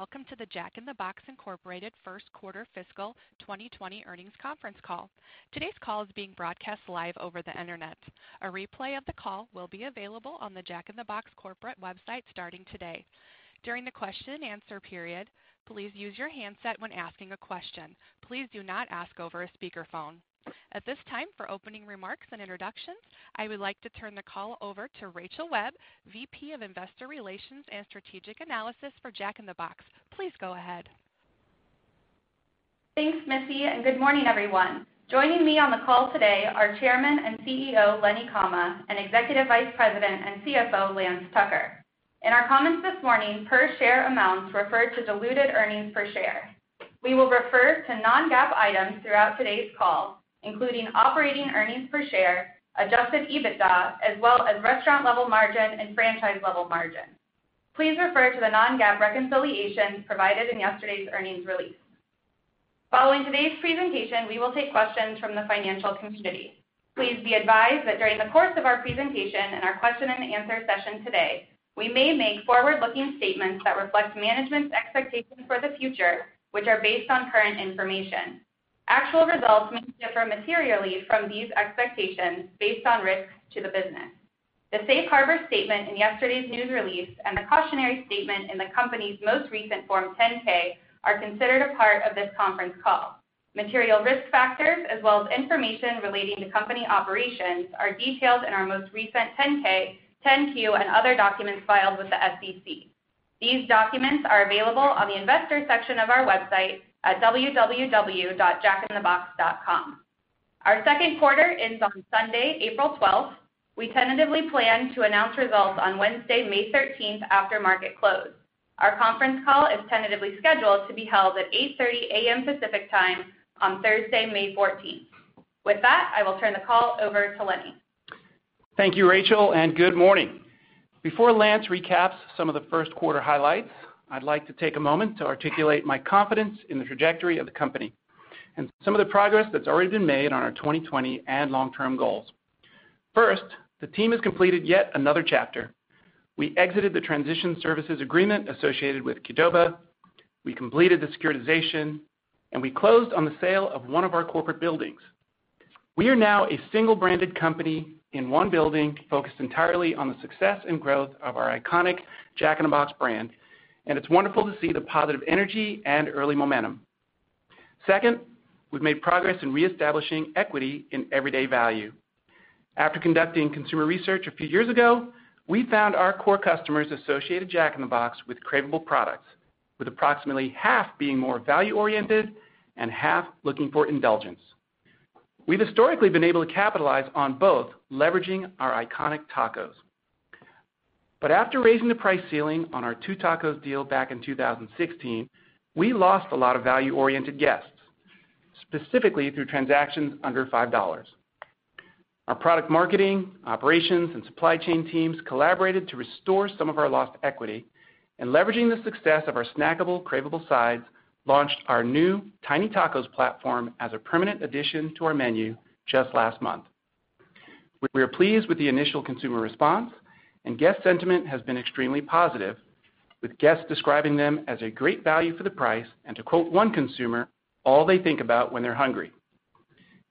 Welcome to the Jack in the Box Incorporated first quarter fiscal 2020 earnings conference call. Today's call is being broadcast live over the internet. A replay of the call will be available on the Jack in the Box corporate website starting today. During the question-and-answer period, please use your handset when asking a question. Please do not ask over a speakerphone. At this time, for opening remarks and introductions, I would like to turn the call over to Rachel Webb, VP of Investor Relations and Strategic Analysis for Jack in the Box. Please go ahead. Thanks, Missy, and good morning, everyone. Joining me on the call today are Chairman and CEO Lenny Comma and Executive Vice President and CFO Lance Tucker. In our comments this morning, per share amounts referred to diluted earnings per share. We will refer to non-GAAP items throughout today's call, including operating earnings per share, adjusted EBITDA, as well as restaurant-level margin and franchise-level margin. Please refer to the non-GAAP reconciliations provided in yesterday's earnings release. Following today's presentation, we will take questions from the financial community. Please be advised that during the course of our presentation and our question-and-answer session today, we may make forward-looking statements that reflect management's expectations for the future, which are based on current information. Actual results may differ materially from these expectations based on risks to the business. The safe harbor statement in yesterday's news release and the cautionary statement in the company's most recent Form 10-K are considered a part of this conference call. Material risk factors, as well as information relating to company operations, are detailed in our most recent 10-K, 10-Q, and other documents filed with the SEC. These documents are available on the investor section of our website at www.jackinthebox.com. Our second quarter ends on Sunday, April 12th. We tentatively plan to announce results on Wednesday, May 13th, after market close. Our conference call is tentatively scheduled to be held at 8:30 A.M. Pacific Time on Thursday, May 14th. With that, I will turn the call over to Lenny. Thank you, Rachel, and good morning. Before Lance recaps some of the first quarter highlights, I'd like to take a moment to articulate my confidence in the trajectory of the company and some of the progress that's already been made on our 2020 and long-term goals. First, the team has completed yet another chapter. We exited the transition services agreement associated with Qdoba. We completed the securitization, and we closed on the sale of one of our corporate buildings. We are now a single-branded company in one building focused entirely on the success and growth of our iconic Jack in the Box brand, and it's wonderful to see the positive energy and early momentum. Second, we've made progress in reestablishing equity in everyday value. After conducting consumer research a few years ago, we found our core customers associated Jack in the Box with craveable products, with approximately half being more value-oriented and half looking for indulgence. We've historically been able to capitalize on both leveraging our iconic tacos. But after raising the price ceiling on our two tacos deal back in 2016, we lost a lot of value-oriented guests, specifically through transactions under $5. Our product marketing, operations, and supply chain teams collaborated to restore some of our lost equity, and leveraging the success of our snackable, craveable sides, launched our new Tiny Tacos platform as a permanent addition to our menu just last month. We are pleased with the initial consumer response, and guest sentiment has been extremely positive, with guests describing them as a great value for the price and, to quote one consumer, "All they think about when they're hungry."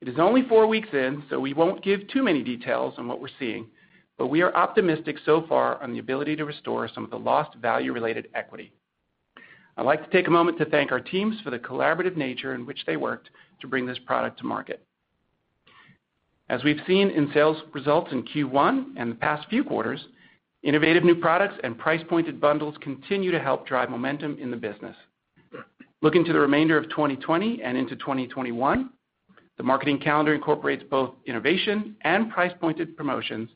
It is only four weeks in, so we won't give too many details on what we're seeing, but we are optimistic so far on the ability to restore some of the lost value-related equity. I'd like to take a moment to thank our teams for the collaborative nature in which they worked to bring this product to market. As we've seen in sales results in Q1 and the past few quarters, innovative new products and price-pointed bundles continue to help drive momentum in the business. Looking to the remainder of 2020 and into 2021, the marketing calendar incorporates both innovation and price-pointed promotions,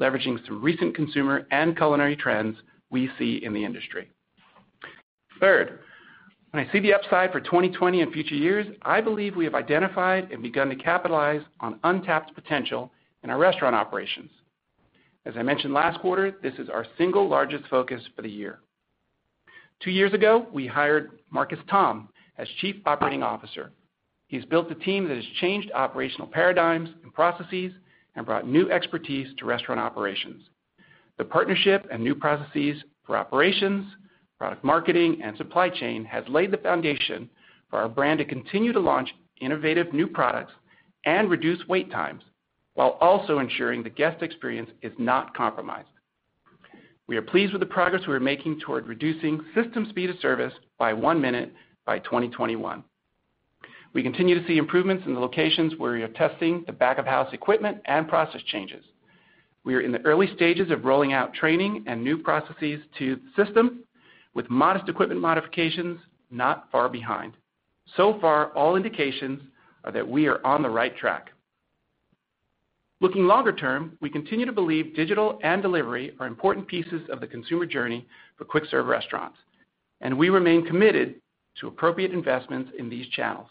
leveraging some recent consumer and culinary trends we see in the industry. Third, when I see the upside for 2020 and future years, I believe we have identified and begun to capitalize on untapped potential in our restaurant operations. As I mentioned last quarter, this is our single largest focus for the year. Two years ago, we hired Marcus Tom as Chief Operating Officer. He's built a team that has changed operational paradigms and processes and brought new expertise to restaurant operations. The partnership and new processes for operations, product marketing, and supply chain has laid the foundation for our brand to continue to launch innovative new products and reduce wait times while also ensuring the guest experience is not compromised. We are pleased with the progress we are making toward reducing system speed of service by one minute by 2021. We continue to see improvements in the locations where we are testing the back-of-house equipment and process changes. We are in the early stages of rolling out training and new processes to the system, with modest equipment modifications not far behind. So far, all indications are that we are on the right track. Looking longer term, we continue to believe digital and delivery are important pieces of the consumer journey for quick-serve restaurants, and we remain committed to appropriate investments in these channels.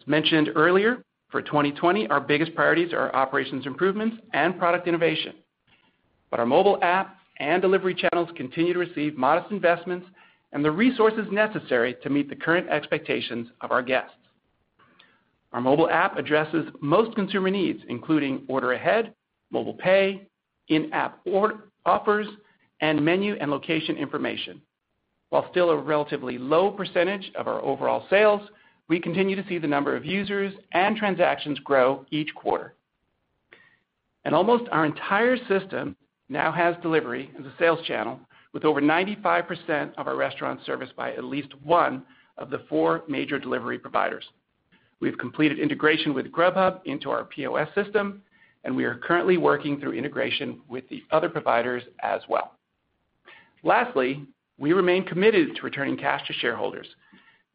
As mentioned earlier, for 2020, our biggest priorities are operations improvements and product innovation, but our mobile app and delivery channels continue to receive modest investments and the resources necessary to meet the current expectations of our guests. Our mobile app addresses most consumer needs, including order ahead, mobile pay, in-app offers, and menu and location information. While still a relatively low percentage of our overall sales, we continue to see the number of users and transactions grow each quarter. Almost our entire system now has delivery as a sales channel, with over 95% of our restaurants serviced by at least one of the four major delivery providers. We've completed integration with Grubhub into our POS system, and we are currently working through integration with the other providers as well. Lastly, we remain committed to returning cash to shareholders,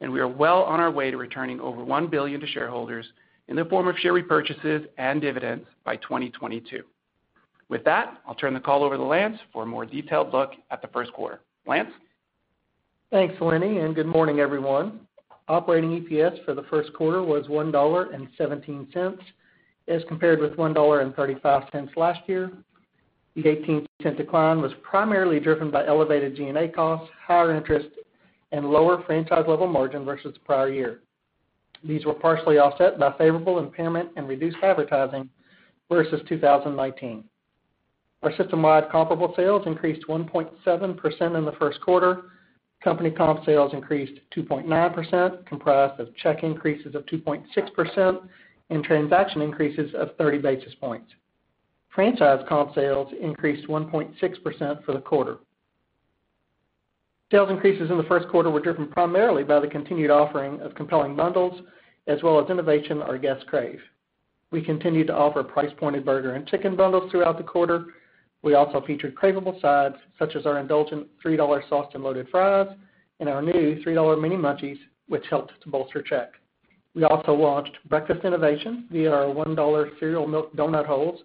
and we are well on our way to returning over $1 billion to shareholders in the form of share repurchases and dividends by 2022. With that, I'll turn the call over to Lance for a more detailed look at the first quarter. Lance? Thanks, Lenny, and good morning, everyone. Operating EPS for the first quarter was $1.17 as compared with $1.35 last year. The 18% decline was primarily driven by elevated G&A costs, higher interest, and lower franchise-level margin versus the prior year. These were partially offset by favorable impairment and reduced advertising versus 2019. Our system-wide comparable sales increased 1.7% in the first quarter. Company comp sales increased 2.9%, comprised of check increases of 2.6% and transaction increases of 30 basis points. Franchise comp sales increased 1.6% for the quarter. Sales increases in the first quarter were driven primarily by the continued offering of compelling bundles as well as innovation, our guest crave. We continued to offer price-pointed burger and chicken bundles throughout the quarter. We also featured craveable sides such as our indulgent $3 Sauced and Loaded Fries and our new $3 Mini Munchies, which helped to bolster check. We also launched breakfast innovation via our $1 Cereal Milk Donut Holes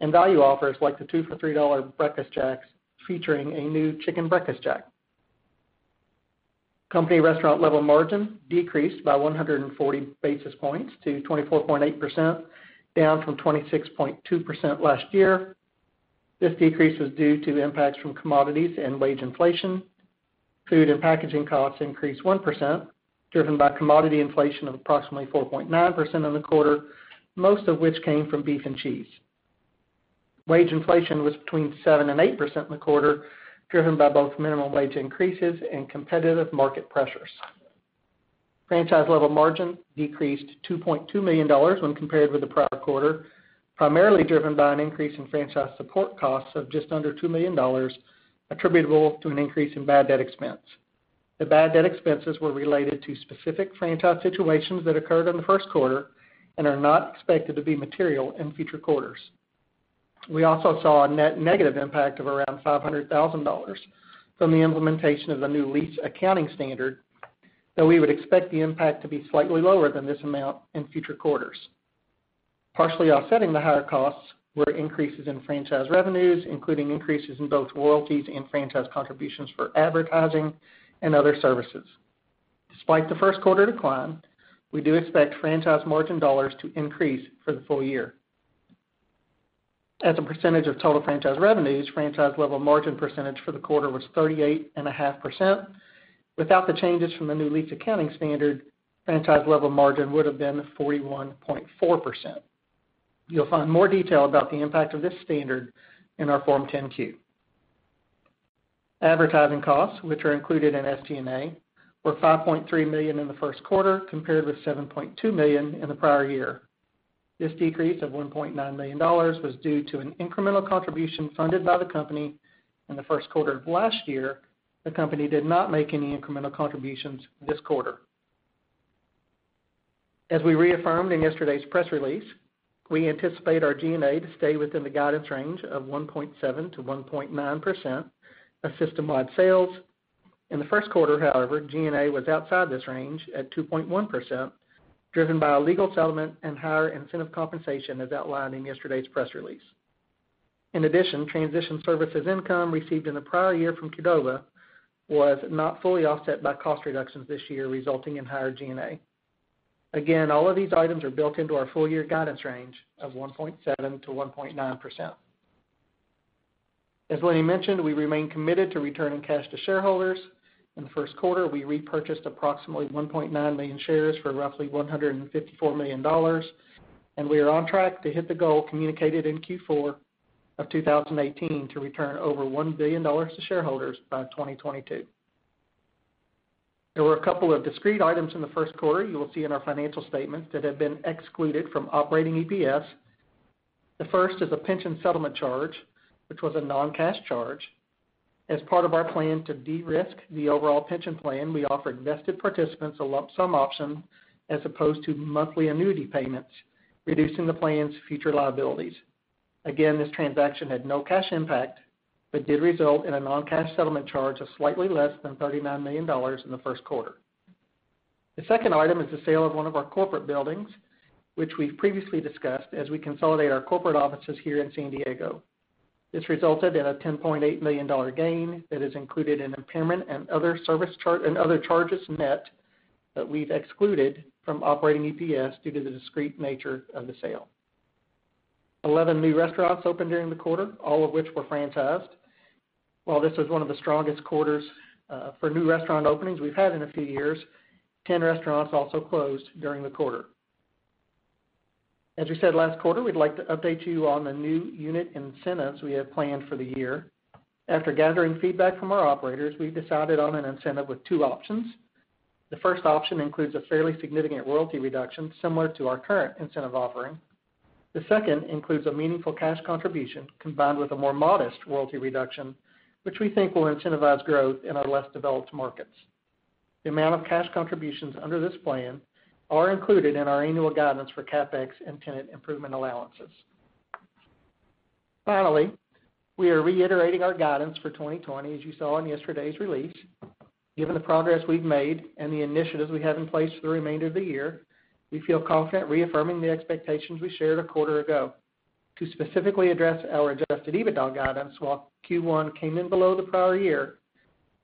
and value offers like the two-for-$3 Breakfast Jacks featuring a new Chicken Breakfast Jack. Company restaurant-level margin decreased by 140 basis points to 24.8%, down from 26.2% last year. This decrease was due to impacts from commodities and wage inflation. Food and packaging costs increased 1%, driven by commodity inflation of approximately 4.9% in the quarter, most of which came from beef and cheese. Wage inflation was between 7% and 8% in the quarter, driven by both minimum wage increases and competitive market pressures. Franchise-level margin decreased $2.2 million when compared with the prior quarter, primarily driven by an increase in franchise support costs of just under $2 million attributable to an increase in bad debt expense. The bad debt expenses were related to specific franchise situations that occurred in the first quarter and are not expected to be material in future quarters. We also saw a net negative impact of around $500,000 from the implementation of the new lease accounting standard, though we would expect the impact to be slightly lower than this amount in future quarters. Partially offsetting the higher costs were increases in franchise revenues, including increases in both royalties and franchise contributions for advertising and other services. Despite the first quarter decline, we do expect franchise margin dollars to increase for the full year. As a percentage of total franchise revenues, franchise-level margin percentage for the quarter was 38.5%. Without the changes from the new lease accounting standard, franchise-level margin would have been 41.4%. You'll find more detail about the impact of this standard in our Form 10-Q. Advertising costs, which are included in ST&A, were $5.3 million in the first quarter compared with $7.2 million in the prior year. This decrease of $1.9 million was due to an incremental contribution funded by the company in the first quarter of last year. The company did not make any incremental contributions this quarter. As we reaffirmed in yesterday's press release, we anticipate our G&A to stay within the guidance range of 1.7%-1.9% of system-wide sales. In the first quarter, however, G&A was outside this range at 2.1%, driven by a legal settlement and higher incentive compensation as outlined in yesterday's press release. In addition, transition services income received in the prior year from Qdoba was not fully offset by cost reductions this year, resulting in higher G&A. Again, all of these items are built into our full-year guidance range of 1.7%-1.9%. As Lenny mentioned, we remain committed to returning cash to shareholders. In the first quarter, we repurchased approximately 1.9 million shares for roughly $154 million, and we are on track to hit the goal communicated in Q4 of 2018 to return over $1 billion to shareholders by 2022. There were a couple of discrete items in the first quarter you will see in our financial statements that have been excluded from operating EPS. The first is a pension settlement charge, which was a non-cash charge. As part of our plan to de-risk the overall pension plan, we offered vested participants a lump-sum option as opposed to monthly annuity payments, reducing the plan's future liabilities. Again, this transaction had no cash impact but did result in a non-cash settlement charge of slightly less than $39 million in the first quarter. The second item is the sale of one of our corporate buildings, which we've previously discussed as we consolidate our corporate offices here in San Diego. This resulted in a $10.8 million gain that is included in impairment and other charges net that we've excluded from operating EPS due to the discrete nature of the sale. 11 new restaurants opened during the quarter, all of which were franchised. While this was one of the strongest quarters for new restaurant openings we've had in a few years, 10 restaurants also closed during the quarter. As we said last quarter, we'd like to update you on the new unit incentives we have planned for the year. After gathering feedback from our operators, we've decided on an incentive with two options. The first option includes a fairly significant royalty reduction similar to our current incentive offering. The second includes a meaningful cash contribution combined with a more modest royalty reduction, which we think will incentivize growth in our less developed markets. The amount of cash contributions under this plan are included in our annual guidance for CapEx and tenant improvement allowances. Finally, we are reiterating our guidance for 2020, as you saw in yesterday's release. Given the progress we've made and the initiatives we have in place for the remainder of the year, we feel confident reaffirming the expectations we shared a quarter ago. To specifically address our Adjusted EBITDA guidance while Q1 came in below the prior year,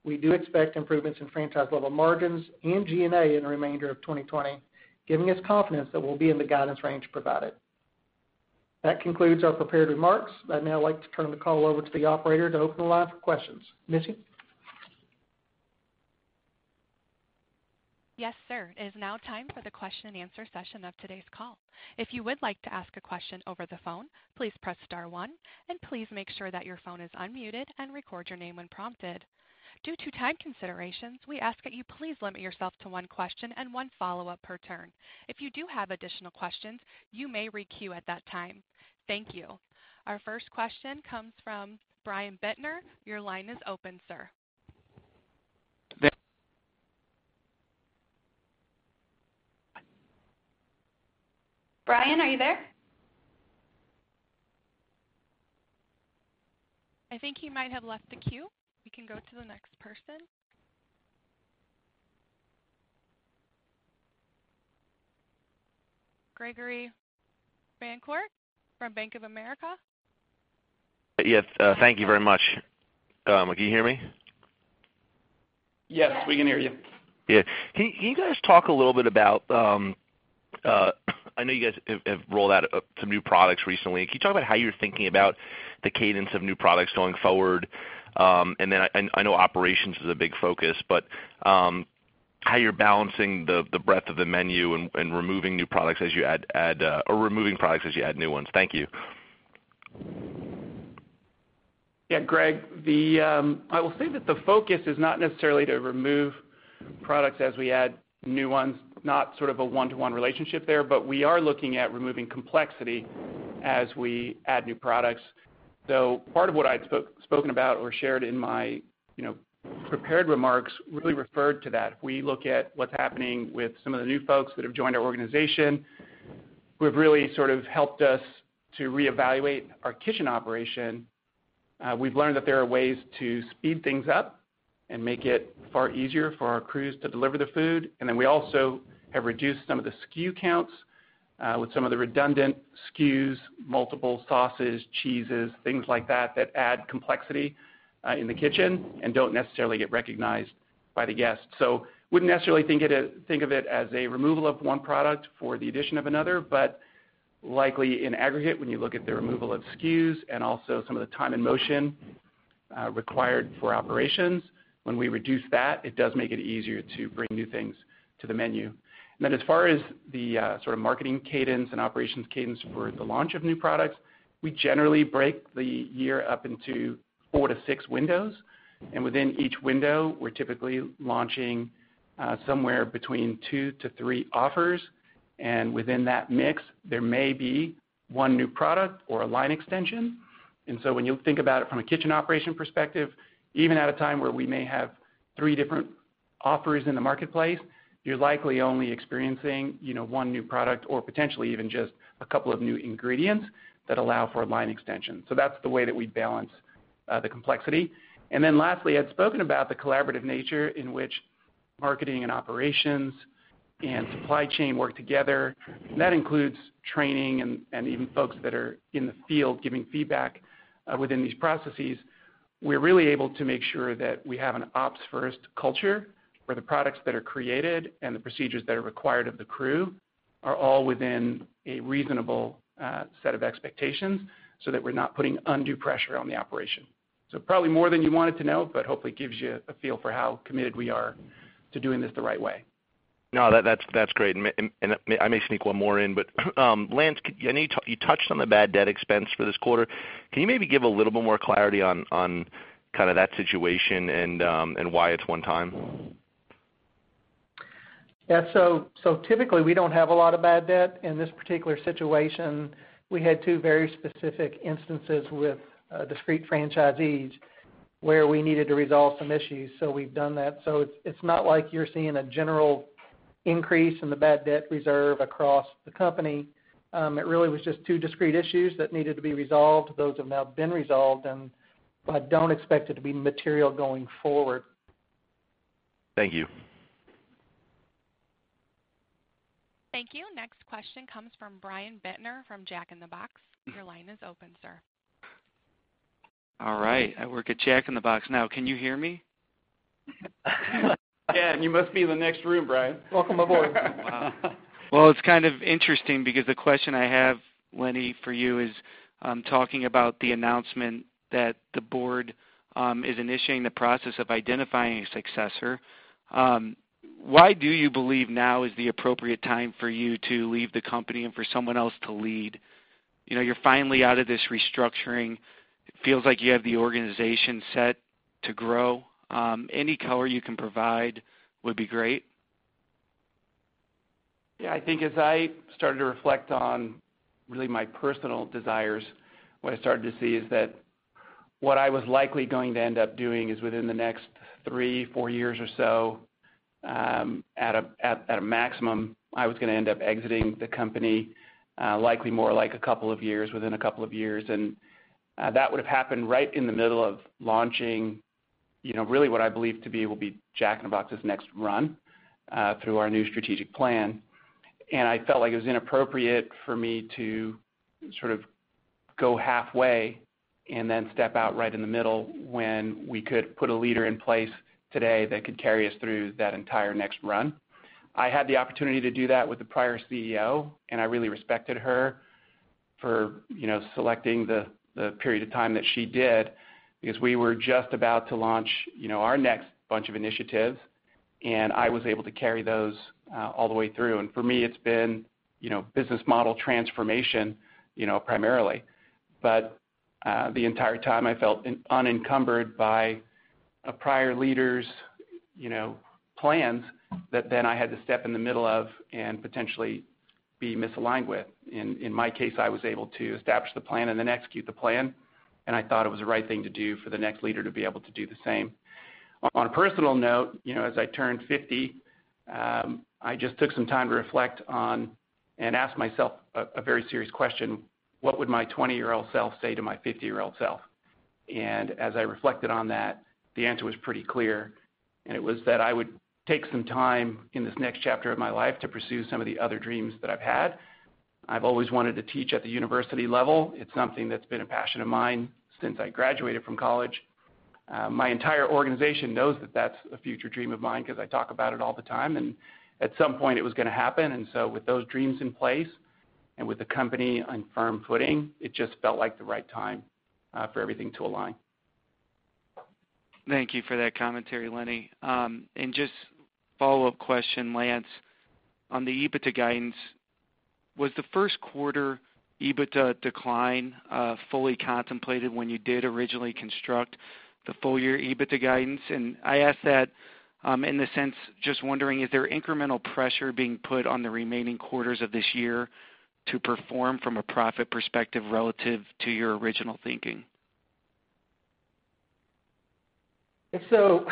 we do expect improvements in franchise-level margins and G&A in the remainder of 2020, giving us confidence that we'll be in the guidance range provided. That concludes our prepared remarks. I'd now like to turn the call over to the operator to open the line for questions. Missy? Yes, sir. It is now time for the question-and-answer session of today's call. If you would like to ask a question over the phone, please press star one, and please make sure that your phone is unmuted and record your name when prompted. Due to time considerations, we ask that you please limit yourself to one question and one follow-up per turn. If you do have additional questions, you may re-queue at that time. Thank you. Our first question comes from Brian Bittner. Your line is open, sir. Brian, are you there? I think he might have left the queue. We can go to the next person. Gregory Francfort from Bank of America. Yes. Thank you very much. Can you hear me? Yes, we can hear you. Yeah. Can you guys talk a little bit about, I know you guys have rolled out some new products recently. Can you talk about how you're thinking about the cadence of new products going forward? And then I know operations is a big focus, but how you're balancing the breadth of the menu and removing new products as you add or removing products as you add new ones. Thank you. Yeah, Greg. I will say that the focus is not necessarily to remove products as we add new ones, not sort of a one-to-one relationship there, but we are looking at removing complexity as we add new products. Though part of what I'd spoken about or shared in my prepared remarks really referred to that. If we look at what's happening with some of the new folks that have joined our organization, who have really sort of helped us to reevaluate our kitchen operation, we've learned that there are ways to speed things up and make it far easier for our crews to deliver the food. And then we also have reduced some of the SKU counts with some of the redundant SKUs, multiple sauces, cheeses, things like that that add complexity in the kitchen and don't necessarily get recognized by the guests. So wouldn't necessarily think of it as a removal of one product for the addition of another, but likely in aggregate, when you look at the removal of SKUs and also some of the time in motion required for operations, when we reduce that, it does make it easier to bring new things to the menu. And then as far as the sort of marketing cadence and operations cadence for the launch of new products, we generally break the year up into 4-6 windows. And within each window, we're typically launching somewhere between 2-3 offers. And within that mix, there may be one new product or a line extension. When you think about it from a kitchen operation perspective, even at a time where we may have three different offers in the marketplace, you're likely only experiencing one new product or potentially even just a couple of new ingredients that allow for a line extension. That's the way that we balance the complexity. Lastly, I'd spoken about the collaborative nature in which marketing and operations and supply chain work together. That includes training and even folks that are in the field giving feedback within these processes. We're really able to make sure that we have an ops-first culture where the products that are created and the procedures that are required of the crew are all within a reasonable set of expectations so that we're not putting undue pressure on the operation. So probably more than you wanted to know, but hopefully gives you a feel for how committed we are to doing this the right way. No, that's great. I may sneak one more in, but Lance, you touched on the bad debt expense for this quarter. Can you maybe give a little bit more clarity on kind of that situation and why it's one time? Yeah. So typically, we don't have a lot of bad debt. In this particular situation, we had two very specific instances with discrete franchisees where we needed to resolve some issues. So we've done that. So it's not like you're seeing a general increase in the bad debt reserve across the company. It really was just two discrete issues that needed to be resolved. Those have now been resolved, and I don't expect it to be material going forward. Thank you. Thank you. Next question comes from Brian Bittner from Jack in the Box. Your line is open, sir. All right. I work at Jack in the Box. Now, can you hear me? Yeah. You must be in the next room, Brian. Welcome aboard. Wow. Well, it's kind of interesting because the question I have, Lenny, for you is talking about the announcement that the board is initiating the process of identifying a successor. Why do you believe now is the appropriate time for you to leave the company and for someone else to lead? You're finally out of this restructuring. It feels like you have the organization set to grow. Any color you can provide would be great. Yeah. I think as I started to reflect on really my personal desires, what I started to see is that what I was likely going to end up doing is within the next 3, 4 years or so, at a maximum, I was going to end up exiting the company, likely more like a couple of years within a couple of years. And that would have happened right in the middle of launching really what I believe to be will be Jack in the Box's next run through our new strategic plan. And I felt like it was inappropriate for me to sort of go halfway and then step out right in the middle when we could put a leader in place today that could carry us through that entire next run. I had the opportunity to do that with the prior CEO, and I really respected her for selecting the period of time that she did because we were just about to launch our next bunch of initiatives, and I was able to carry those all the way through. For me, it's been business model transformation primarily. But the entire time, I felt unencumbered by a prior leader's plans that then I had to step in the middle of and potentially be misaligned with. In my case, I was able to establish the plan and then execute the plan, and I thought it was the right thing to do for the next leader to be able to do the same. On a personal note, as I turned 50, I just took some time to reflect on and asked myself a very serious question: What would my 20-year-old self say to my 50-year-old self? As I reflected on that, the answer was pretty clear, and it was that I would take some time in this next chapter of my life to pursue some of the other dreams that I've had. I've always wanted to teach at the university level. It's something that's been a passion of mine since I graduated from college. My entire organization knows that that's a future dream of mine because I talk about it all the time, and at some point, it was going to happen. With those dreams in place and with the company on firm footing, it just felt like the right time for everything to align. Thank you for that commentary, Lenny. And just follow-up question, Lance. On the EBITDA guidance, was the first quarter EBITDA decline fully contemplated when you did originally construct the full-year EBITDA guidance? And I ask that in the sense just wondering, is there incremental pressure being put on the remaining quarters of this year to perform from a profit perspective relative to your original thinking? If so,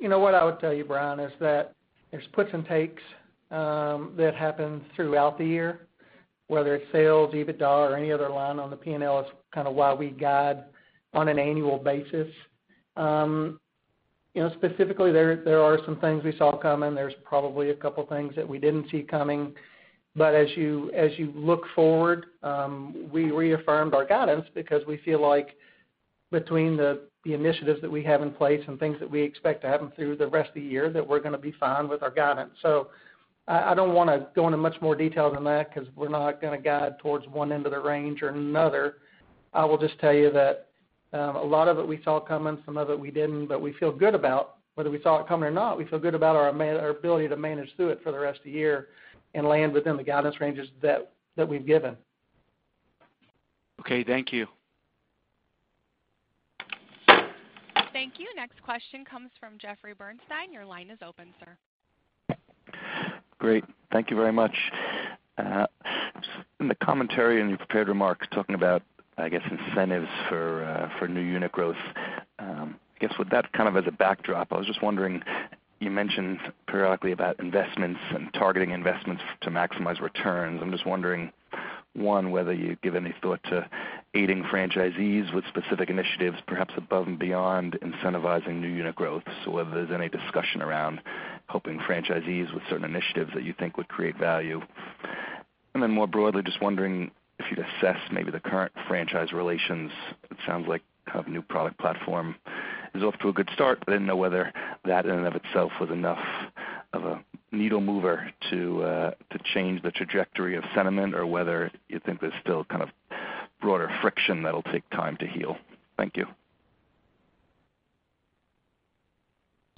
you know what I would tell you, Brian, is that there's puts and takes that happen throughout the year, whether it's sales, EBITDA, or any other line on the P&L. [This] is kind of why we guide on an annual basis. Specifically, there are some things we saw coming. There's probably a couple of things that we didn't see coming. But as you look forward, we reaffirmed our guidance because we feel like between the initiatives that we have in place and things that we expect to happen through the rest of the year, that we're going to be fine with our guidance. So I don't want to go into much more detail than that because we're not going to guide towards one end of the range or another. I will just tell you that a lot of it we saw coming, some of it we didn't, but we feel good about whether we saw it coming or not, we feel good about our ability to manage through it for the rest of the year and land within the guidance ranges that we've given. Okay. Thank you. Thank you. Next question comes from Jeffrey Bernstein. Your line is open, sir. Great. Thank you very much. In the commentary and your prepared remarks talking about, I guess, incentives for new unit growth, I guess with that kind of as a backdrop, I was just wondering, you mentioned periodically about investments and targeting investments to maximize returns. I'm just wondering, one, whether you give any thought to aiding franchisees with specific initiatives, perhaps above and beyond incentivizing new unit growth, so whether there's any discussion around helping franchisees with certain initiatives that you think would create value? And then more broadly, just wondering if you'd assess maybe the current franchise relations? It sounds like kind of new product platform is off to a good start. I didn't know whether that in and of itself was enough of a needle mover to change the trajectory of sentiment or whether you think there's still kind of broader friction that'll take time to heal? Thank you.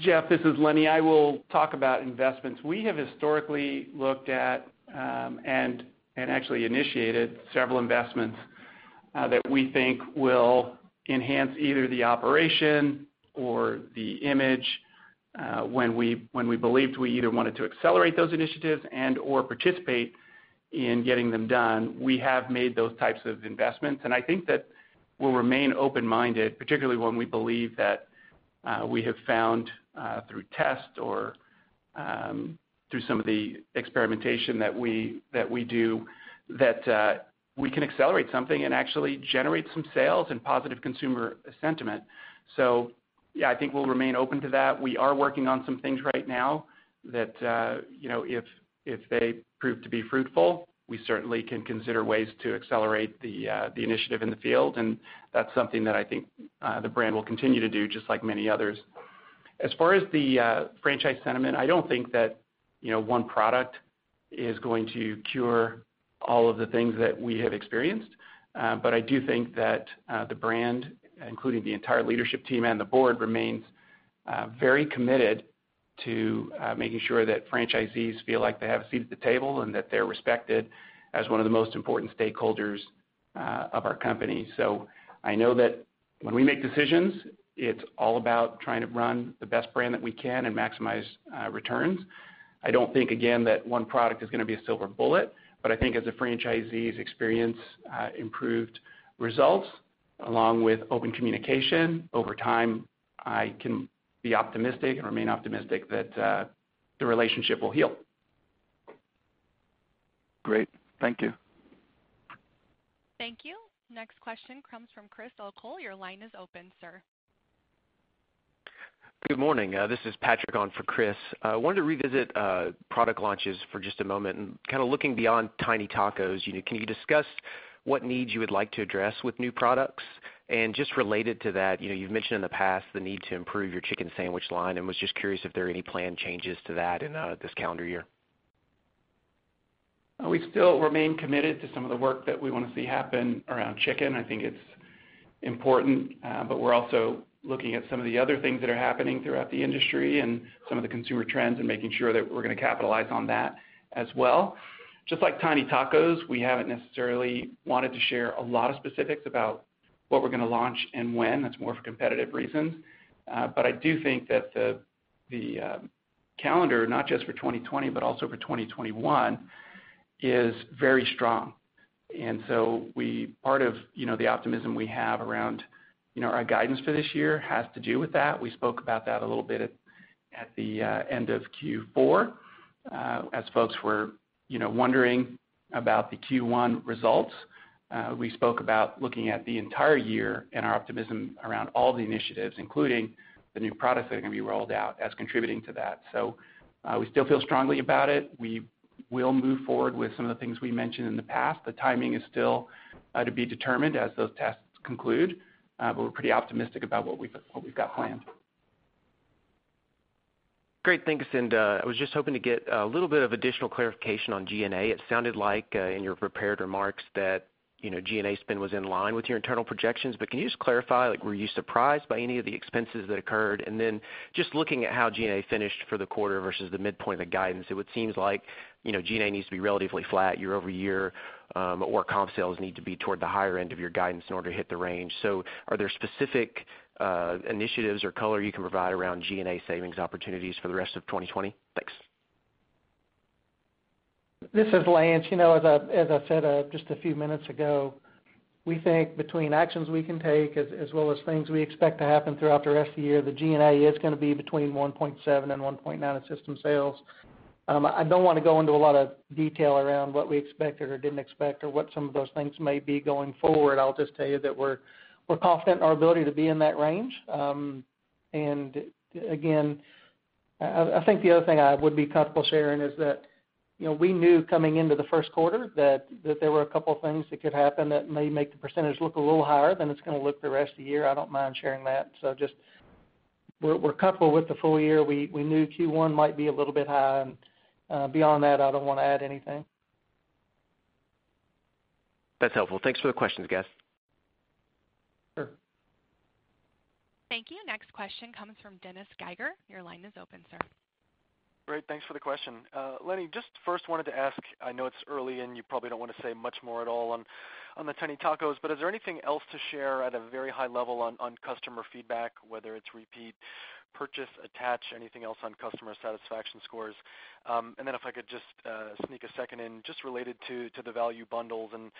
Jeff, this is Lenny. I will talk about investments. We have historically looked at and actually initiated several investments that we think will enhance either the operation or the image. When we believed we either wanted to accelerate those initiatives and/or participate in getting them done, we have made those types of investments. And I think that we'll remain open-minded, particularly when we believe that we have found through test or through some of the experimentation that we do that we can accelerate something and actually generate some sales and positive consumer sentiment. So yeah, I think we'll remain open to that. We are working on some things right now that if they prove to be fruitful, we certainly can consider ways to accelerate the initiative in the field. And that's something that I think the brand will continue to do just like many others. As far as the franchise sentiment, I don't think that one product is going to cure all of the things that we have experienced. But I do think that the brand, including the entire leadership team and the board, remains very committed to making sure that franchisees feel like they have a seat at the table and that they're respected as one of the most important stakeholders of our company. So I know that when we make decisions, it's all about trying to run the best brand that we can and maximize returns. I don't think, again, that one product is going to be a silver bullet. But I think as the franchisees experience improved results along with open communication, over time, I can be optimistic and remain optimistic that the relationship will heal. Great. Thank you. Thank you. Next question comes from Chris O'Cull. Your line is open, sir. Good morning. This is Patrick on for Chris. I wanted to revisit product launches for just a moment and kind of looking beyond Tiny Tacos. Can you discuss what needs you would like to address with new products? And just related to that, you've mentioned in the past the need to improve your chicken sandwich line, and was just curious if there are any planned changes to that in this calendar year. We still remain committed to some of the work that we want to see happen around chicken. I think it's important. But we're also looking at some of the other things that are happening throughout the industry and some of the consumer trends and making sure that we're going to capitalize on that as well. Just like Tiny Tacos, we haven't necessarily wanted to share a lot of specifics about what we're going to launch and when. That's more for competitive reasons. But I do think that the calendar, not just for 2020, but also for 2021, is very strong. And so part of the optimism we have around our guidance for this year has to do with that. We spoke about that a little bit at the end of Q4 as folks were wondering about the Q1 results. We spoke about looking at the entire year and our optimism around all the initiatives, including the new products that are going to be rolled out, as contributing to that. So we still feel strongly about it. We will move forward with some of the things we mentioned in the past. The timing is still to be determined as those tests conclude. But we're pretty optimistic about what we've got planned. Great. Thanks, Cynthia. I was just hoping to get a little bit of additional clarification on G&A. It sounded like in your prepared remarks that G&A spend was in line with your internal projections. But can you just clarify? Were you surprised by any of the expenses that occurred? And then just looking at how G&A finished for the quarter versus the midpoint of the guidance, it would seem like G&A needs to be relatively flat year-over-year or comp sales need to be toward the higher end of your guidance in order to hit the range. So are there specific initiatives or color you can provide around G&A savings opportunities for the rest of 2020? Thanks. This is Lance. As I said just a few minutes ago, we think between actions we can take as well as things we expect to happen throughout the rest of the year, the G&A is going to be between 1.7%-1.9% of system sales. I don't want to go into a lot of detail around what we expected or didn't expect or what some of those things may be going forward. I'll just tell you that we're confident in our ability to be in that range. And again, I think the other thing I would be comfortable sharing is that we knew coming into the first quarter that there were a couple of things that could happen that may make the percentage look a little higher than it's going to look the rest of the year. I don't mind sharing that. So just we're comfortable with the full year. We knew Q1 might be a little bit high. Beyond that, I don't want to add anything. That's helpful. Thanks for the questions, guys. Sure. Thank you. Next question comes from Dennis Geiger. Your line is open, sir. Great. Thanks for the question. Lenny, just first wanted to ask. I know it's early, and you probably don't want to say much more at all on the Tiny Tacos, but is there anything else to share at a very high level on customer feedback, whether it's repeat, purchase, attach, anything else on customer satisfaction scores? And then if I could just sneak a second in just related to the value bundles and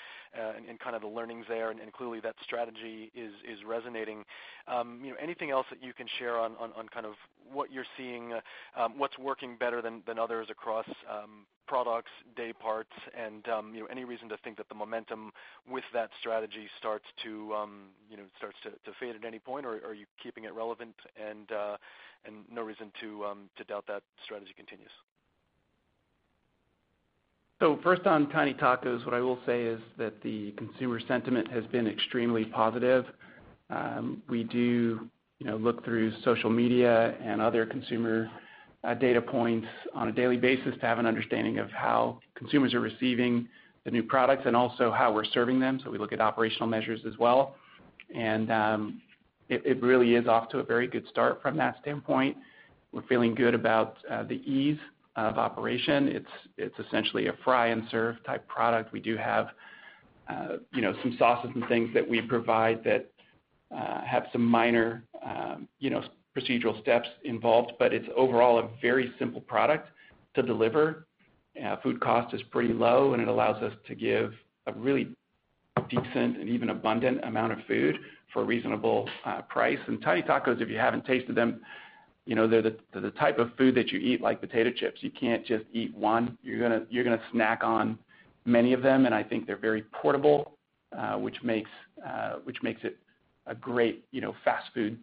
kind of the learnings there. And clearly, that strategy is resonating. Anything else that you can share on kind of what you're seeing, what's working better than others across products, day parts, and any reason to think that the momentum with that strategy starts to fade at any point, or are you keeping it relevant and no reason to doubt that strategy continues? First on Tiny Tacos, what I will say is that the consumer sentiment has been extremely positive. We do look through social media and other consumer data points on a daily basis to have an understanding of how consumers are receiving the new products and also how we're serving them. We look at operational measures as well. It really is off to a very good start from that standpoint. We're feeling good about the ease of operation. It's essentially a fry-and-serve type product. We do have some sauces and things that we provide that have some minor procedural steps involved. It's overall a very simple product to deliver. Food cost is pretty low, and it allows us to give a really decent and even abundant amount of food for a reasonable price. And Tiny Tacos, if you haven't tasted them, they're the type of food that you eat like potato chips. You can't just eat one. You're going to snack on many of them. And I think they're very portable, which makes it a great fast-food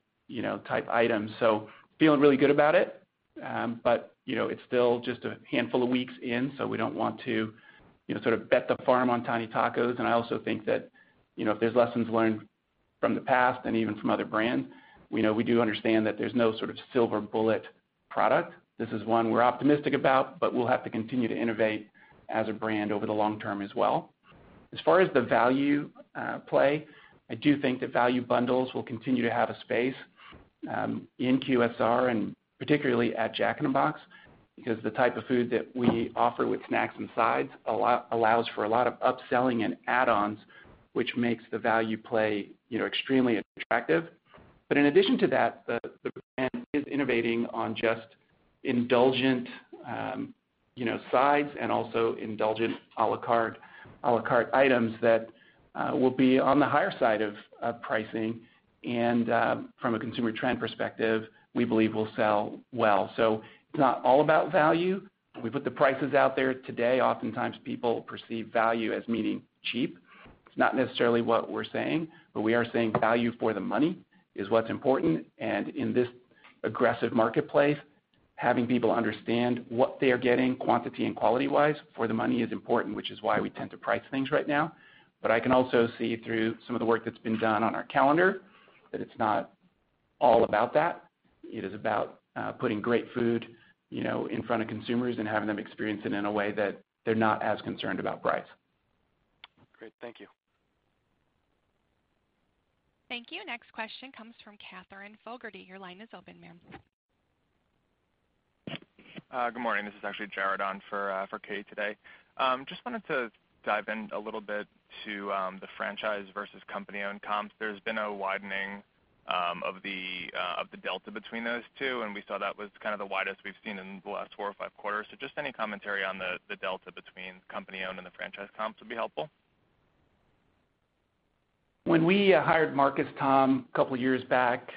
type item. So feeling really good about it. But it's still just a handful of weeks in, so we don't want to sort of bet the farm on Tiny Tacos. And I also think that if there's lessons learned from the past and even from other brands, we do understand that there's no sort of silver bullet product. This is one we're optimistic about, but we'll have to continue to innovate as a brand over the long term as well. As far as the value play, I do think that value bundles will continue to have a space in QSR and particularly at Jack in the Box because the type of food that we offer with snacks and sides allows for a lot of upselling and add-ons, which makes the value play extremely attractive. But in addition to that, the brand is innovating on just indulgent sides and also indulgent à la carte items that will be on the higher side of pricing. And from a consumer trend perspective, we believe we'll sell well. So it's not all about value. We put the prices out there today. Oftentimes, people perceive value as meaning cheap. It's not necessarily what we're saying, but we are saying value for the money is what's important. In this aggressive marketplace, having people understand what they're getting quantity and quality-wise for the money is important, which is why we tend to price things right now. I can also see through some of the work that's been done on our calendar that it's not all about that. It is about putting great food in front of consumers and having them experience it in a way that they're not as concerned about price. Great. Thank you. Thank you. Next question comes from Katherine Fogertey. Your line is open, ma'am. Good morning. This is actually Jared on for Katherine today. Just wanted to dive in a little bit to the franchise versus company-owned comps. There's been a widening of the delta between those two, and we saw that was kind of the widest we've seen in the last four or five quarters. So just any commentary on the delta between company-owned and the franchise comps would be helpful. When we hired Marcus Tom a couple of years back,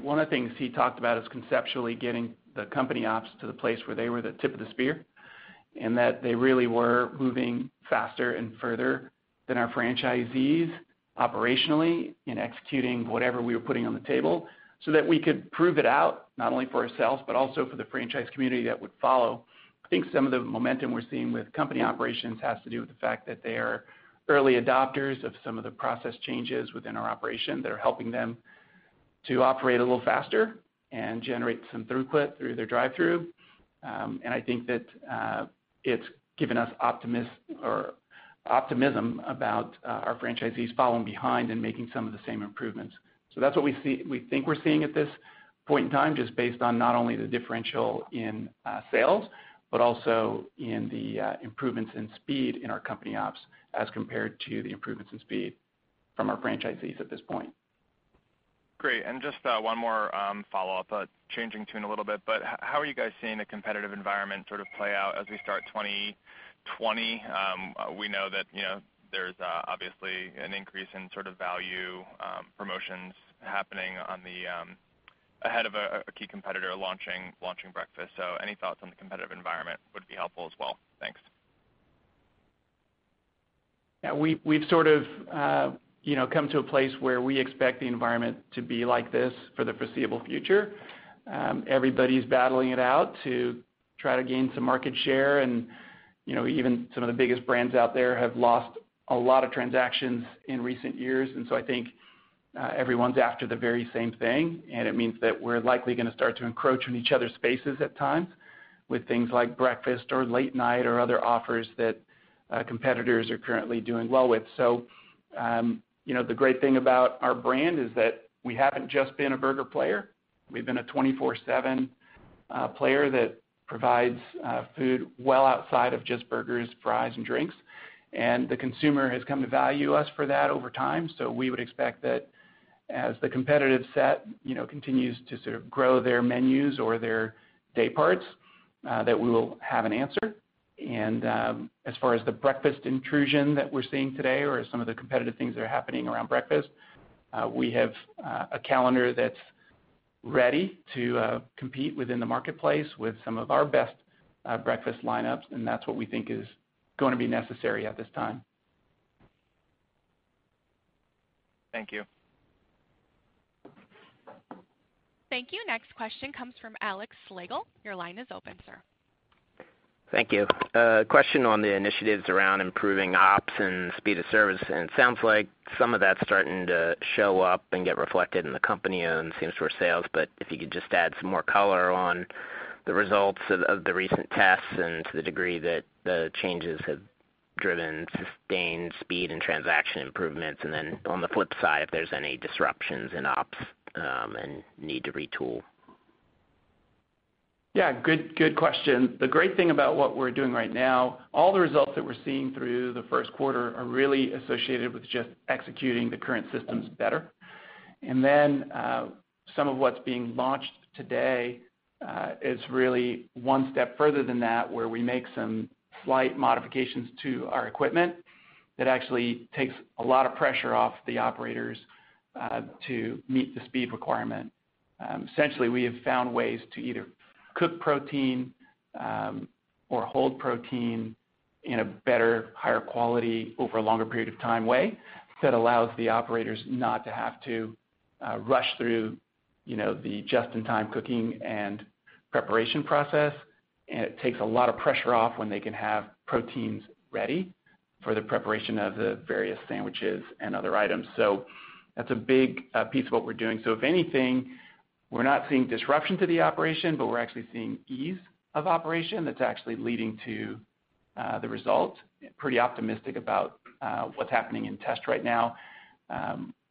one of the things he talked about is conceptually getting the company ops to the place where they were the tip of the spear and that they really were moving faster and further than our franchisees operationally in executing whatever we were putting on the table so that we could prove it out not only for ourselves but also for the franchise community that would follow. I think some of the momentum we're seeing with company operations has to do with the fact that they are early adopters of some of the process changes within our operation that are helping them to operate a little faster and generate some throughput through their drive-through. I think that it's given us optimism about our franchisees following behind and making some of the same improvements. That's what we think we're seeing at this point in time just based on not only the differential in sales but also in the improvements in speed in our company ops as compared to the improvements in speed from our franchisees at this point. Great. Just one more follow-up, changing tune a little bit. How are you guys seeing the competitive environment sort of play out as we start 2020? We know that there's obviously an increase in sort of value promotions happening ahead of a key competitor launching breakfast. Any thoughts on the competitive environment would be helpful as well. Thanks. Yeah. We've sort of come to a place where we expect the environment to be like this for the foreseeable future. Everybody's battling it out to try to gain some market share. And even some of the biggest brands out there have lost a lot of transactions in recent years. And so I think everyone's after the very same thing. And it means that we're likely going to start to encroach on each other's spaces at times with things like breakfast or late night or other offers that competitors are currently doing well with. So the great thing about our brand is that we haven't just been a burger player. We've been a 24/7 player that provides food well outside of just burgers, fries, and drinks. And the consumer has come to value us for that over time. So we would expect that as the competitive set continues to sort of grow their menus or their day parts, that we will have an answer. And as far as the breakfast intrusion that we're seeing today or some of the competitive things that are happening around breakfast, we have a calendar that's ready to compete within the marketplace with some of our best breakfast lineups. And that's what we think is going to be necessary at this time. Thank you. Thank you. Next question comes from Alex Slagel. Your line is open, sir. Thank you. Question on the initiatives around improving ops and speed of service. It sounds like some of that's starting to show up and get reflected in the company-owned restaurant sales. But if you could just add some more color on the results of the recent tests and to the degree that the changes have driven sustained speed and transaction improvements. Then on the flip side, if there's any disruptions in ops and need to retool. Yeah. Good question. The great thing about what we're doing right now, all the results that we're seeing through the first quarter are really associated with just executing the current systems better. And then some of what's being launched today is really one step further than that where we make some slight modifications to our equipment that actually takes a lot of pressure off the operators to meet the speed requirement. Essentially, we have found ways to either cook protein or hold protein in a better, higher quality over a longer period of time way that allows the operators not to have to rush through the just-in-time cooking and preparation process. And it takes a lot of pressure off when they can have proteins ready for the preparation of the various sandwiches and other items. So that's a big piece of what we're doing. So if anything, we're not seeing disruption to the operation, but we're actually seeing ease of operation that's actually leading to the results. Pretty optimistic about what's happening in test right now.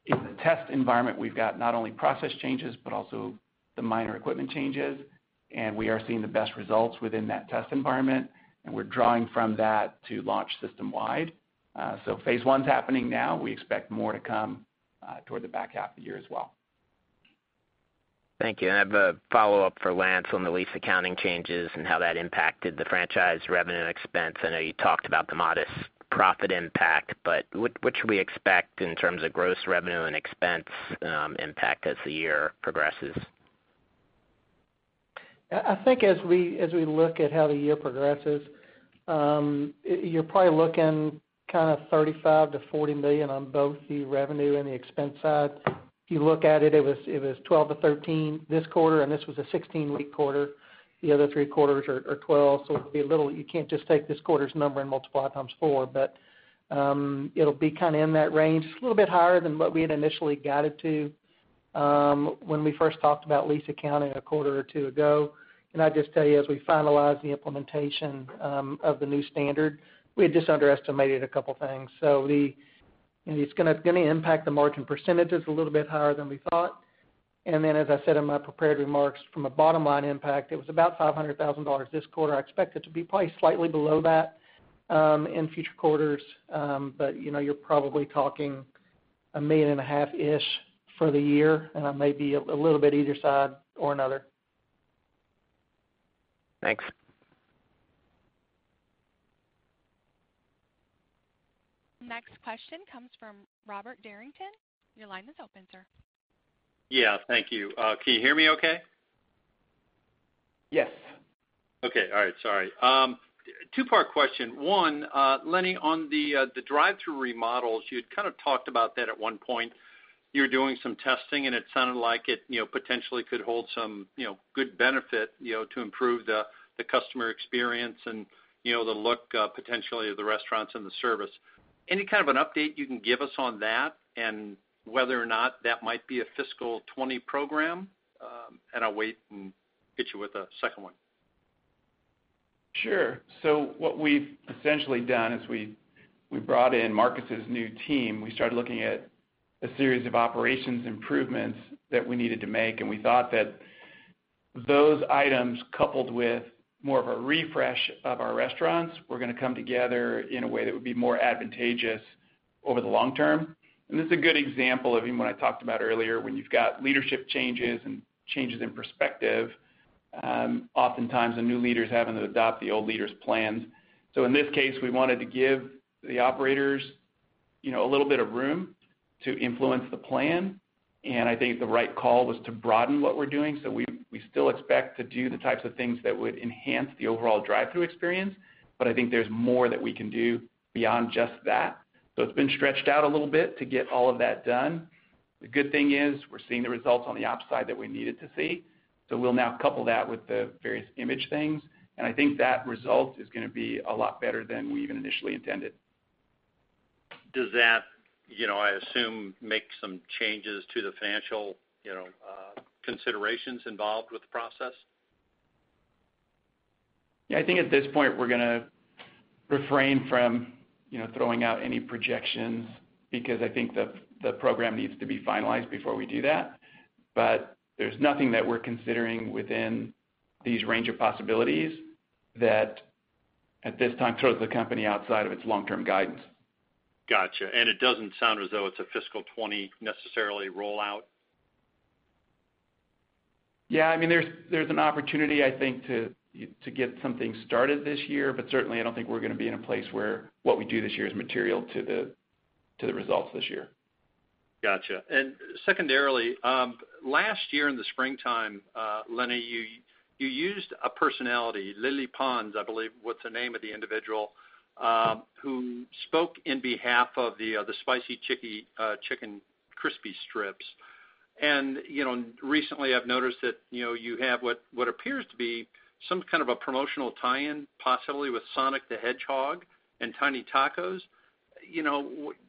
In the test environment, we've got not only process changes but also the minor equipment changes. We're seeing the best results within that test environment. We're drawing from that to launch system-wide. Phase one's happening now. We expect more to come toward the back half of the year as well. Thank you. I have a follow-up for Lance on the lease accounting changes and how that impacted the franchise revenue and expense. I know you talked about the modest profit impact, but what should we expect in terms of gross revenue and expense impact as the year progresses? I think as we look at how the year progresses, you're probably looking kind of $35 million-$40 million on both the revenue and the expense side. If you look at it, it was 12-13 this quarter, and this was a 16-week quarter. The other three quarters are 12. So it'll be a little you can't just take this quarter's number and multiply it times 4, but it'll be kind of in that range. It's a little bit higher than what we had initially guided to when we first talked about lease accounting a quarter or two ago. And I just tell you, as we finalized the implementation of the new standard, we had just underestimated a couple of things. So it's going to impact the margin percentages a little bit higher than we thought. And then, as I said in my prepared remarks, from a bottom-line impact, it was about $500,000 this quarter. I expect it to be probably slightly below that in future quarters. But you're probably talking $1.5 million-ish for the year. And I may be a little bit either side or another. Thanks. Next question comes from Robert Derrington. Your line is open, sir. Yeah. Thank you. Can you hear me okay? Yes. Okay. All right. Sorry. Two-part question. One, Lenny, on the drive-through remodels, you'd kind of talked about that at one point. You were doing some testing, and it sounded like it potentially could hold some good benefit to improve the customer experience and the look potentially of the restaurants and the service. Any kind of an update you can give us on that and whether or not that might be a fiscal 2020 program? And I'll wait and get you with a second one. Sure. So what we've essentially done is we brought in Marcus's new team. We started looking at a series of operations improvements that we needed to make. We thought that those items coupled with more of a refresh of our restaurants were going to come together in a way that would be more advantageous over the long term. This is a good example of even what I talked about earlier when you've got leadership changes and changes in perspective. Oftentimes, the new leaders haven't adopted the old leaders' plans. In this case, we wanted to give the operators a little bit of room to influence the plan. I think the right call was to broaden what we're doing. We still expect to do the types of things that would enhance the overall drive-through experience. But I think there's more that we can do beyond just that. So it's been stretched out a little bit to get all of that done. The good thing is we're seeing the results on the ops side that we needed to see. So we'll now couple that with the various image things. And I think that result is going to be a lot better than we even initially intended. Does that, I assume, make some changes to the financial considerations involved with the process? Yeah. I think at this point, we're going to refrain from throwing out any projections because I think the program needs to be finalized before we do that. But there's nothing that we're considering within these range of possibilities that at this time throws the company outside of its long-term guidance. Gotcha. It doesn't sound as though it's a fiscal 2020 necessarily rollout? Yeah. I mean, there's an opportunity, I think, to get something started this year. But certainly, I don't think we're going to be in a place where what we do this year is material to the results this year. Gotcha. And secondarily, last year in the springtime, Lenny, you used a personality, Lele Pons, I believe was the name of the individual, who spoke in behalf of the Spicy Chicken Crispy Strips. And recently, I've noticed that you have what appears to be some kind of a promotional tie-in, possibly with Sonic the Hedgehog and Tiny Tacos.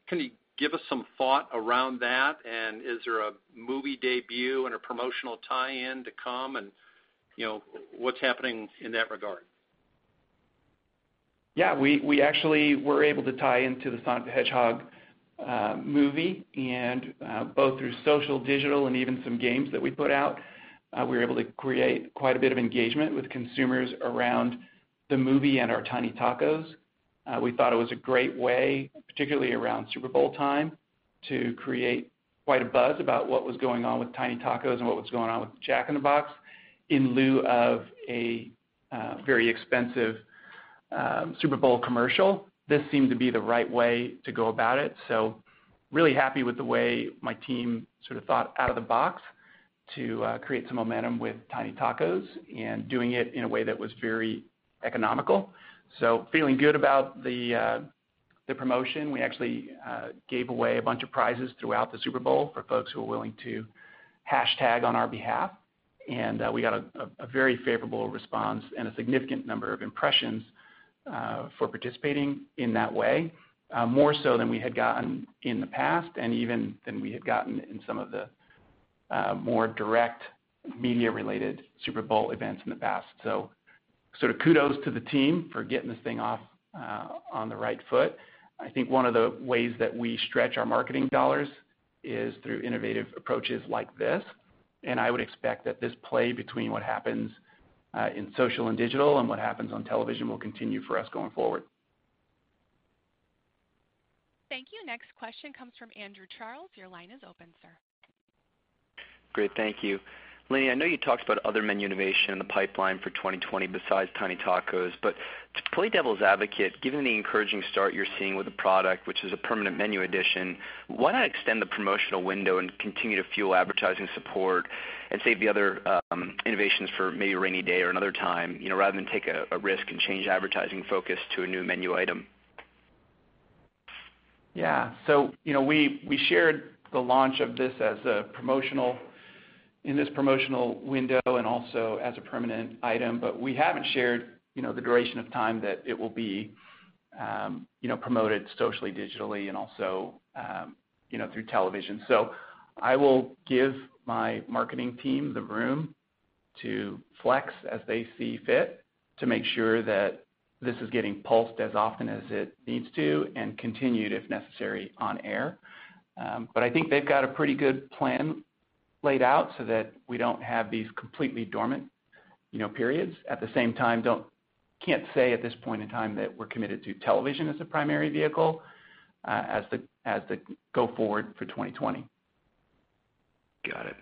Can you give us some thought around that? And is there a movie debut and a promotional tie-in to come? And what's happening in that regard? Yeah. We actually were able to tie into the Sonic the Hedgehog movie. And both through social, digital, and even some games that we put out, we were able to create quite a bit of engagement with consumers around the movie and our Tiny Tacos. We thought it was a great way, particularly around Super Bowl time, to create quite a buzz about what was going on with Tiny Tacos and what was going on with Jack in the Box in lieu of a very expensive Super Bowl commercial. This seemed to be the right way to go about it. So really happy with the way my team sort of thought out of the box to create some momentum with Tiny Tacos and doing it in a way that was very economical. So feeling good about the promotion, we actually gave away a bunch of prizes throughout the Super Bowl for folks who were willing to hashtag on our behalf. And we got a very favorable response and a significant number of impressions for participating in that way, more so than we had gotten in the past and even than we had gotten in some of the more direct media-related Super Bowl events in the past. So sort of kudos to the team for getting this thing off on the right foot. I think one of the ways that we stretch our marketing dollars is through innovative approaches like this. And I would expect that this play between what happens in social and digital and what happens on television will continue for us going forward. Thank you. Next question comes from Andrew Charles. Your line is open, sir. Great. Thank you. Lenny, I know you talked about other menu innovation in the pipeline for 2020 besides Tiny Tacos. But to play devil's advocate, given the encouraging start you're seeing with the product, which is a permanent menu addition, why not extend the promotional window and continue to fuel advertising support and save the other innovations for maybe a rainy day or another time rather than take a risk and change advertising focus to a new menu item? Yeah. So we shared the launch of this in this promotional window and also as a permanent item. But we haven't shared the duration of time that it will be promoted socially, digitally, and also through television. So I will give my marketing team the room to flex as they see fit to make sure that this is getting pulsed as often as it needs to and continued, if necessary, on air. But I think they've got a pretty good plan laid out so that we don't have these completely dormant periods. At the same time, can't say at this point in time that we're committed to television as a primary vehicle as the go-forward for 2020. Got it.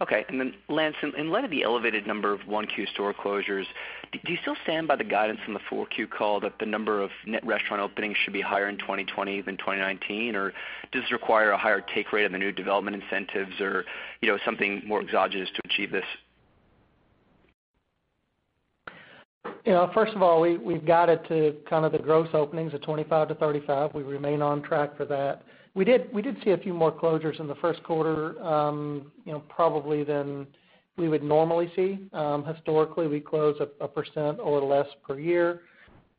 Okay. And then, Lance, in light of the elevated number of 1Q store closures, do you still stand by the guidance from the 4Q call that the number of net restaurant openings should be higher in 2020 than 2019? Or does this require a higher take rate on the new development incentives or something more exogenous to achieve this? First of all, we've got it to kind of the gross openings of 25-35. We remain on track for that. We did see a few more closures in the first quarter probably than we would normally see. Historically, we close 1% or less per year.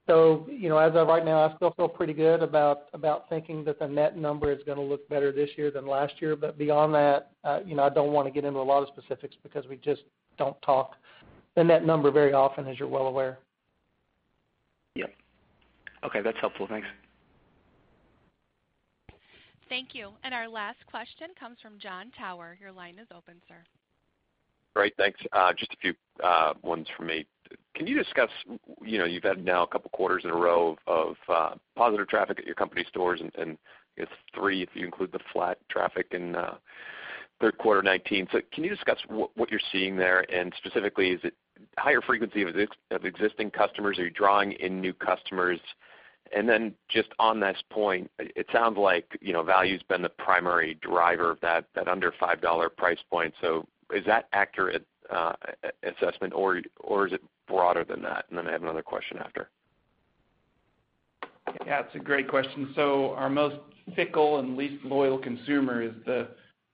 So as of right now, I still feel pretty good about thinking that the net number is going to look better this year than last year. But beyond that, I don't want to get into a lot of specifics because we just don't talk the net number very often, as you're well aware. Yep. Okay. That's helpful. Thanks. Thank you. And our last question comes from John Tower. Your line is open, sir. Great. Thanks. Just a few ones from me. Can you discuss you've had now a couple of quarters in a row of positive traffic at your company stores and, I guess, 3 if you include the flat traffic in third quarter 2019. So can you discuss what you're seeing there? And specifically, is it higher frequency of existing customers? Are you drawing in new customers? And then just on this point, it sounds like value's been the primary driver of that under-$5 price point. So is that accurate assessment? Or is it broader than that? And then I have another question after. Yeah. It's a great question. So our most fickle and least loyal consumer is the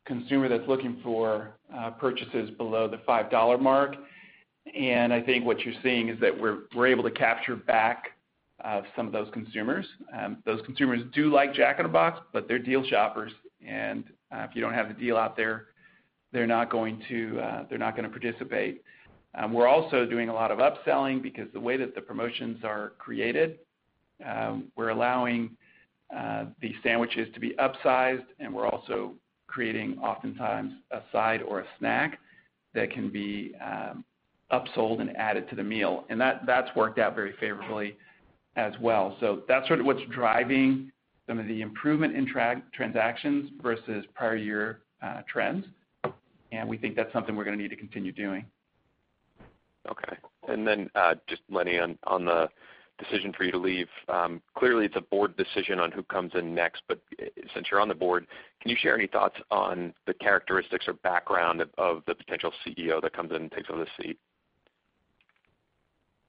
consumer that's looking for purchases below the $5 mark. And I think what you're seeing is that we're able to capture back some of those consumers. Those consumers do like Jack in the Box, but they're deal shoppers. And if you don't have the deal out there, they're not going to participate. We're also doing a lot of upselling because the way that the promotions are created, we're allowing the sandwiches to be upsized. And we're also creating, oftentimes, a side or a snack that can be upsold and added to the meal. And that's worked out very favorably as well. So that's sort of what's driving some of the improvement in transactions versus prior-year trends. And we think that's something we're going to need to continue doing. Okay. Then, just, Lenny, on the decision for you to leave, clearly, it's a board decision on who comes in next. But since you're on the board, can you share any thoughts on the characteristics or background of the potential CEO that comes in and takes over the seat?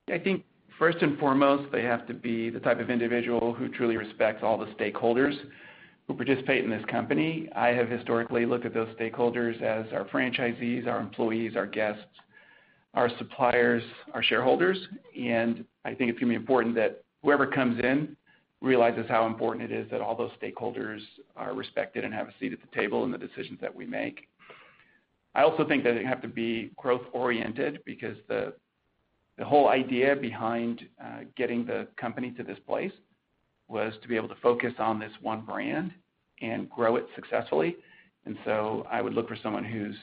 Yeah. I think, first and foremost, they have to be the type of individual who truly respects all the stakeholders who participate in this company. I have historically looked at those stakeholders as our franchisees, our employees, our guests, our suppliers, our shareholders. I think it's going to be important that whoever comes in realizes how important it is that all those stakeholders are respected and have a seat at the table in the decisions that we make. I also think that they have to be growth-oriented because the whole idea behind getting the company to this place was to be able to focus on this one brand and grow it successfully. So I would look for someone who's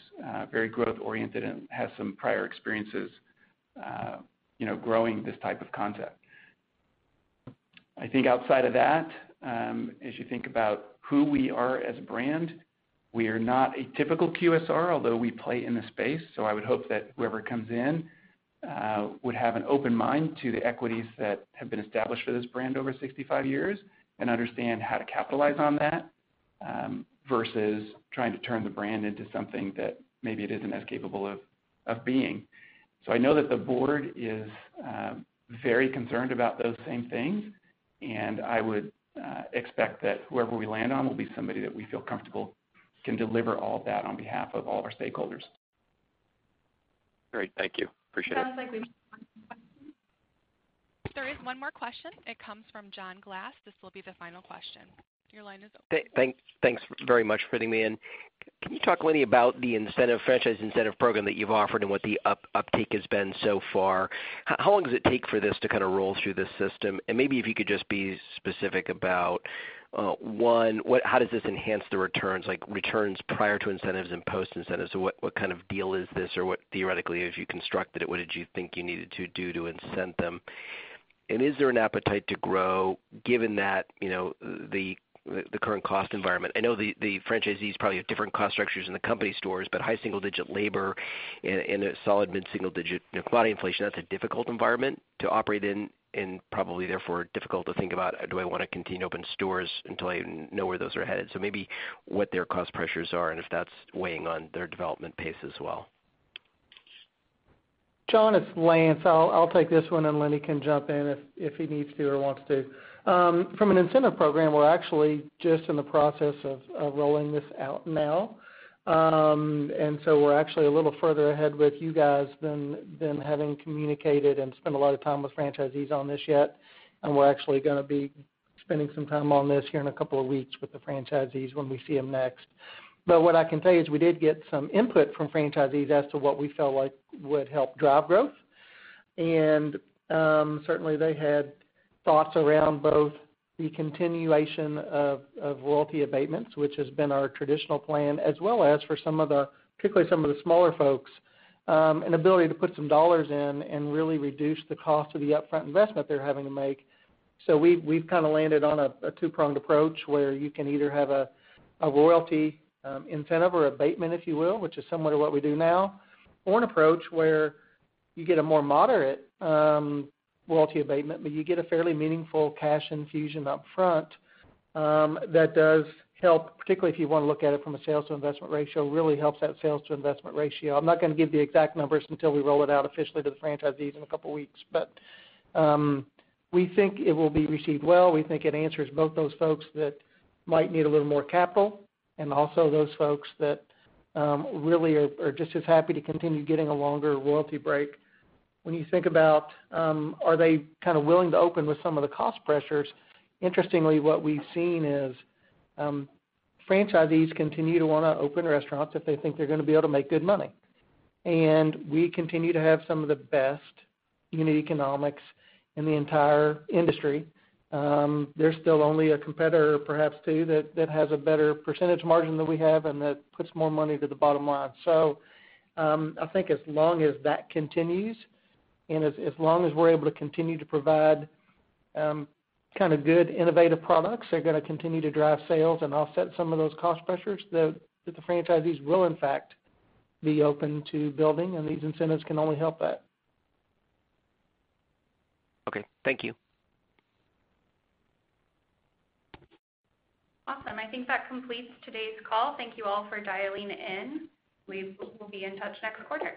very growth-oriented and has some prior experiences growing this type of concept. I think outside of that, as you think about who we are as a brand, we are not a typical QSR, although we play in the space. So I would hope that whoever comes in would have an open mind to the equities that have been established for this brand over 65 years and understand how to capitalize on that versus trying to turn the brand into something that maybe it isn't as capable of being. So I know that the board is very concerned about those same things. And I would expect that whoever we land on will be somebody that we feel comfortable can deliver all of that on behalf of all of our stakeholders. Great. Thank you. Appreciate it. Sounds like we have one more question. There is one more question. It comes from John Glass. This will be the final question. Your line is open. Thanks very much for having me in. Can you talk, Lenny, about the franchise incentive program that you've offered and what the uptick has been so far? How long does it take for this to kind of roll through this system? And maybe if you could just be specific about, one, how does this enhance the returns, like returns prior to incentives and post-incentives? So what kind of deal is this? Or theoretically, if you constructed it, what did you think you needed to do to incent them? And is there an appetite to grow given the current cost environment? I know the franchisees probably have different cost structures in the company stores. High single-digit labor and solid mid-single-digit commodity inflation, that's a difficult environment to operate in and probably, therefore, difficult to think about, "Do I want to continue opening stores until I know where those are headed?" Maybe what their cost pressures are and if that's weighing on their development pace as well. John, it's Lance. I'll take this one. Lenny can jump in if he needs to or wants to. From an incentive program, we're actually just in the process of rolling this out now. So we're actually a little further ahead with you guys than having communicated and spent a lot of time with franchisees on this yet. We're actually going to be spending some time on this here in a couple of weeks with the franchisees when we see them next. What I can tell you is we did get some input from franchisees as to what we felt would help drive growth. Certainly, they had thoughts around both the continuation of royalty abatements, which has been our traditional plan, as well as for particularly some of the smaller folks, an ability to put some dollars in and really reduce the cost of the upfront investment they're having to make. We've kind of landed on a two-pronged approach where you can either have a royalty incentive or abatement, if you will, which is similar to what we do now, or an approach where you get a more moderate royalty abatement, but you get a fairly meaningful cash infusion upfront that does help, particularly if you want to look at it from a sales-to-investment ratio, really helps that sales-to-investment ratio. I'm not going to give the exact numbers until we roll it out officially to the franchisees in a couple of weeks. We think it will be received well. We think it answers both those folks that might need a little more capital and also those folks that really are just as happy to continue getting a longer royalty break. When you think about, "Are they kind of willing to open with some of the cost pressures?" interestingly, what we've seen is franchisees continue to want to open restaurants if they think they're going to be able to make good money. We continue to have some of the best unit economics in the entire industry. There's still only a competitor, perhaps two, that has a better percentage margin than we have and that puts more money to the bottom line. So I think as long as that continues and as long as we're able to continue to provide kind of good, innovative products that are going to continue to drive sales and offset some of those cost pressures, that the franchisees will, in fact, be open to building. These incentives can only help that. Okay. Thank you. Awesome. I think that completes today's call. Thank you all for dialing in. We will be in touch next quarter.